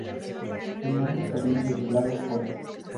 El nombre proviene de sus largas colas.